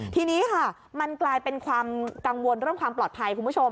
ทีนี้ค่ะมันกลายเป็นความกังวลเรื่องความปลอดภัยคุณผู้ชม